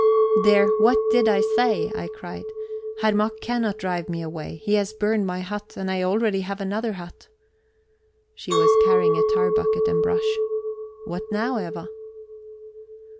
"There, what did I say?" I cried. "Herr Mack cannot drive me away. He has burned my hut, and I already have another hut..." She was carrying a tar bucket and brush. "What now, Eva?"